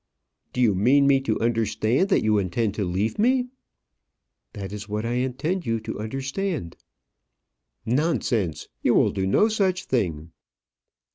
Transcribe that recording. "Do you mean me to understand that you intend to leave me?" "That is what I intend you to understand." "Nonsense; you will do no such thing."